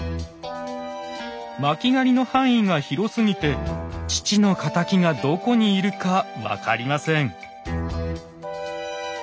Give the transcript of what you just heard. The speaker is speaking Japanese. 巻狩の範囲が広すぎて父の敵がどこにいるか分かりません。